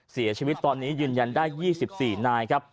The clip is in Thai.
เสียชีวิตตอนนี้ยืนยันได้๒๔นายครับ